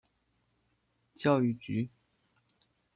教育局